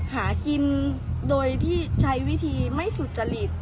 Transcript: หากินโดยที่ใช้วิธีไม่สุจริต